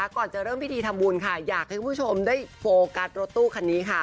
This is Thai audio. ก่อนจะเริ่มพิธีทำบุญค่ะอยากให้คุณผู้ชมได้โฟกัสรถตู้คันนี้ค่ะ